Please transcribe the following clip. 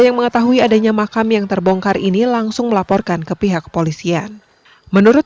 yang mengetahui adanya makam yang terbongkar ini langsung melaporkan ke pihak kepolisian menurut